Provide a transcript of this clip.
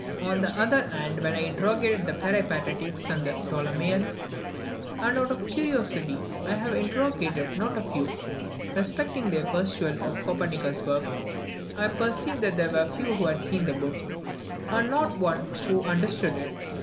On the other hand, whenever I interrogated the Peripatetics and the Ptolemeans and, out of curiosity, I have interrogated not a few respecting their perusal of Copernicus's work, I perceived that there were few who had seen the book, and not one who understood it.